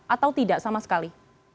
atau tidak sama sekali